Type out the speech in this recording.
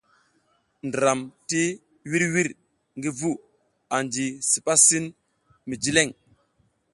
Ndram ti wirwir ngi vu angi sipa sin mi jileŋ.